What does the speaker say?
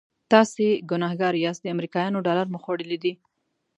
تاسې ګنهګار یاست د امریکایانو ډالر مو خوړلي دي.